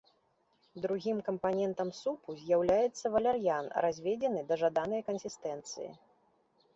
Другім кампанентам супу з'яўляецца валяр'ян, разведзены да жаданай кансістэнцыі.